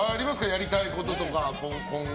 やりたいこととか、今後。